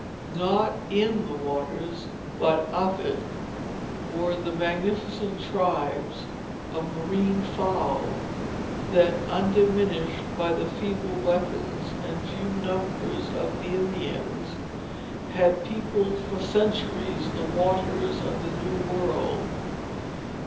Not in the waters, but of it, were the magnificent tribes of marine fowl that, undiminished by the feeble weapons and few numbers of the Indians, had peopled for centuries the waters of the New World.